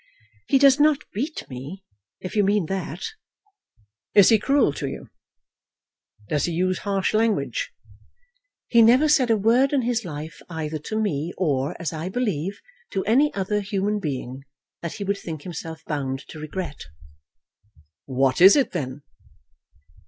"He does not beat me, if you mean that." "Is he cruel to you? Does he use harsh language?" "He never said a word in his life either to me or, as I believe, to any other human being, that he would think himself bound to regret." "What is it then?"